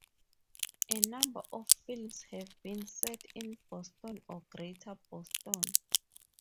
A number of films have been set in Boston or Greater Boston.